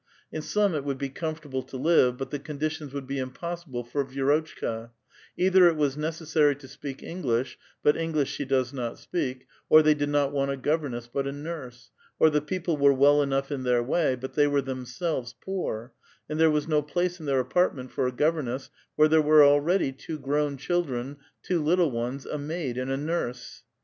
In some it would be comfortable to live, but the con ditions would be impossible for Yi^rotchka ; eitlier it was necessary to speak English, but English she does not speak, or they did not want a governess but a nurse ; or the people were well enough in their way, but tliey were themselves poor, and tliere was no place in their apartment for a gov erness, where there were already two grown cliildren, two little ones, a maid, and a nurse.